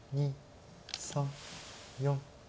２３４。